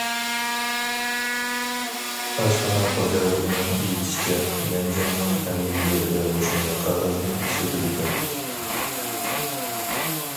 ئاشخانا خوجايىنىنىڭ ئېيتىشىچە نەنجىڭنىڭ ھەممە يېرىدە مۇشۇنداق قەغەزنى ئىشلىتىدىكەن.